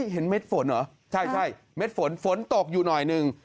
เม็ดฝนเหรอใช่เม็ดฝนฝนตกอยู่หน่อยหนึ่ง